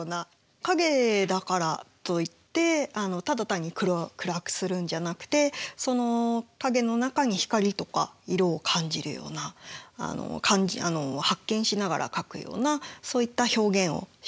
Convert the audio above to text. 影だからといってただ単に暗くするんじゃなくてその影の中に光とか色を感じるような発見しながら描くようなそういった表現をしてますね。